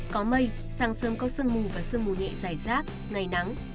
có mây sáng sớm có sương mù và sương mù nhẹ dài rác ngày nắng